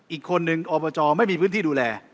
อีกคนนึงอบจไม่มีพื้นที่ดูแล